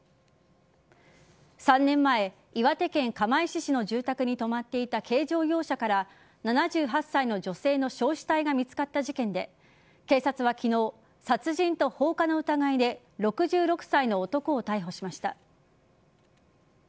３年前、岩手県釜石市の住宅に止まっていた軽乗用車から７８歳の女性の焼死体が見つかった事件で警察は昨日、殺人と放火の疑いで６６歳の男を逮捕しました。